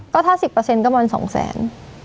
ก็ถ้า๑๐เปอร์เซ็นต์ก็ประมาณ๒แสน